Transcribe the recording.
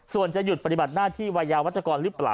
ส่วนจะหยุดปฏิบัติหน้าที่วัยยาวัชกรหรือเปล่า